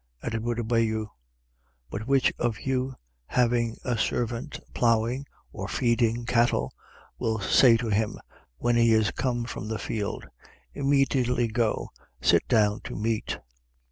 And it would obey you. 17:7. But which of you, having a servant ploughing or feeding cattle, will say to him, when he is come from the field: Immediately go. Sit down to meat.